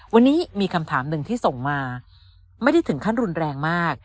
วันนี้มีคำถามหนึ่งที่ส่งมาไม่ได้ถึงขั้นรุนแรงมาก